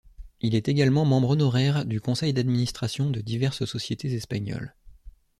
Il est également membre honoraire du conseil d'administration de diverses sociétés espagnoles.